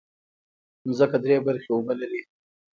مځکه درې برخې اوبه لري.